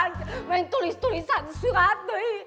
udah tulis tulisan surat